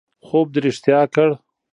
خوب دې رښتیا کړ